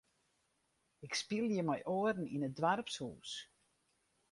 Ik spylje mei oaren yn it doarpshûs.